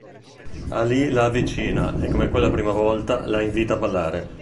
Alì la avvicina e, come quella prima volta, la invita a ballare.